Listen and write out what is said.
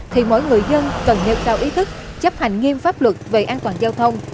thì mỗi người dân cần nêu cao ý thức chấp hành nghiêm pháp luật về an toàn giao thông